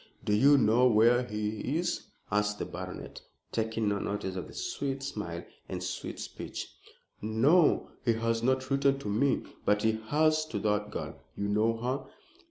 "Do you know where he is?" asked the baronet, taking no notice of the sweet smile and sweet speech. "No, he has not written to me." "But he has to that girl. You know her?"